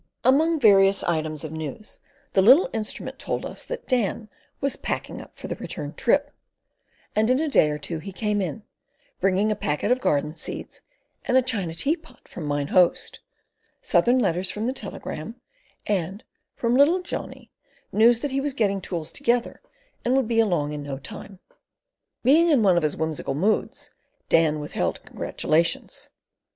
Among various items of news the little instrument told us that Dan was "packing up for the return trip"; and in a day or two he came in, bringing a packet of garden seeds and a china teapot from Mine Host, Southern letters from the telegraph, and, from little Johnny, news that he was getting tools together and would be along in no time. Being in one of his whimsical moods, Dan withheld congratulations.